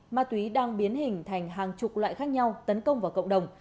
ma túy đang biến hình thành hàng chục loại khác nhau tấn công vào cộng đồng